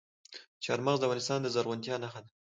چار مغز د افغانستان د زرغونتیا نښه ده.